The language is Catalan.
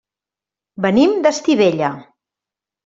Venim d'Estivella.